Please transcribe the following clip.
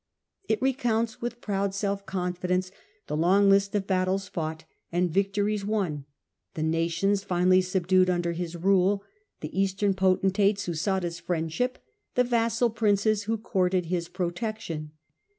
It recounts with proud self confidence the long list of battles fought and victories won ; the nations finally subdued under his rule ; the Eastern potentates who sought his friendship; the vassal princes who courted his protection.